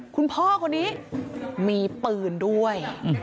คุณพ่อคนนี้มีปืนด้วย